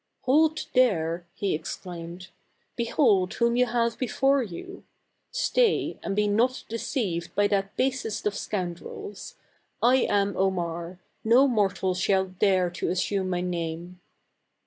"Hold there," he exclaimed; "behold whom you have before you. Stay, and be not deceived by that basest of scoundrels. I am Omar ; no mortal shall dare to asume my name